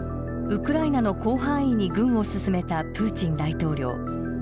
ウクライナの広範囲に軍を進めたプーチン大統領。